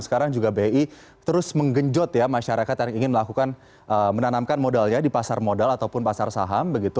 sekarang juga bi terus menggenjot ya masyarakat yang ingin melakukan menanamkan modalnya di pasar modal ataupun pasar saham